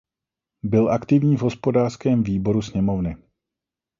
Byl aktivní v hospodářském výboru sněmovny.